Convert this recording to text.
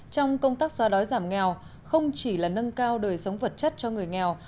trong công tác xóa đói giảm nghèo không chỉ là nâng cao đời sống vật chất cho người nghèo